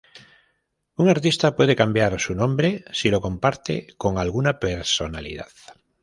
Un artista puede cambiar su nombre si lo comparte con alguna personalidad.